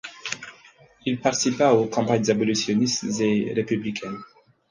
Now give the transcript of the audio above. Il participa aux campagnes abolitionnistes et républicaines.